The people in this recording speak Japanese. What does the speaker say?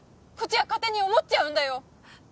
こっちは勝手に思っちゃうんだよ